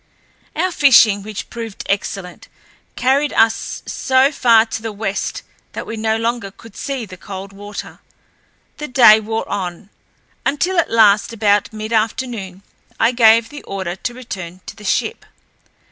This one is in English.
Our fishing, which proved excellent, carried us so far to the west that we no longer could see the Coldwater. The day wore on, until at last, about mid afternoon, I gave the order to return to the ship.